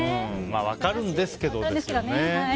分かるんですけどですよね。